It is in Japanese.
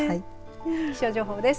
気象情報です。